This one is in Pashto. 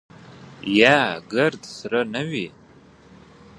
یا ګرد سره نه وي.